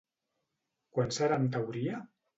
Quan serà en teoria?